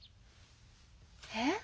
えっ？